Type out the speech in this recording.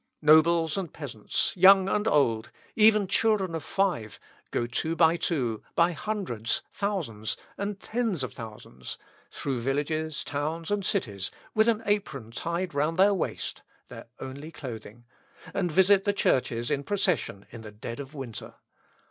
Nobles and peasants, young and old, even children of five, go two and two by hundreds, thousands, and tens of thousands, through villages, towns and cities, with an apron tied round their waist, (their only clothing,) and visit the churches in procession in the dead of winter.